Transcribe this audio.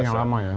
yang lama ya